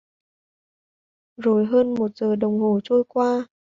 Rồi hơn một giờ đồng hồ trôi qua